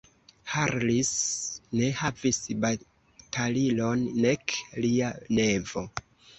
Harris ne havis batalilon, nek lia nevo.